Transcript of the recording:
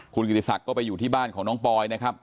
คุณกิติศักดิ์ก็ไปอยู่ที่บ้านของน้องปอยนะครับ